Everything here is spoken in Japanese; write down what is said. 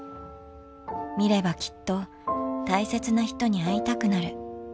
見ればきっと大切な人に会いたくなる。